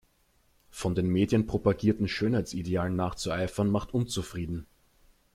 Von den Medien propagierten Schönheitsidealen nachzueifern macht unzufrieden.